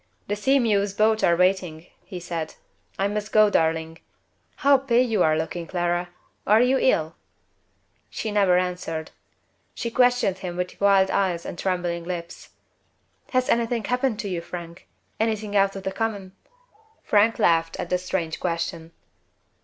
"The Sea mew's boats are waiting," he said. "I must go, darling. How pale you are looking, Clara! Are you ill?" She never answered. She questioned him with wild eyes and trembling lips. "Has anything happened to you, Frank? anything out of the common?" Frank laughed at the strange question.